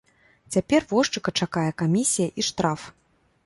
Цяпер возчыка чакае камісія і штраф.